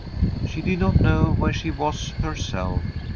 She did not know where she was herself.